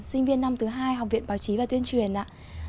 sinh viên năm thứ hai học viện báo chí và tuyên truyền ạ